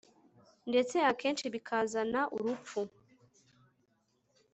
ndetse akenshi bikazana urupfu